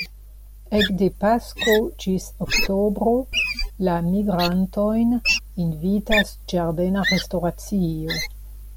Ekde pasko ĝis oktobro la migrantojn invitas ĝardena restoracio.